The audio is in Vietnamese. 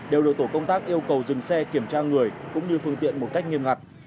đều được tổ công tác yêu cầu dừng xe kiểm tra người cũng như phương tiện một cách nghiêm ngặt